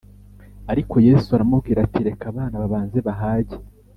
Ariko Yesu aramubwira ati reka abana babanze bahage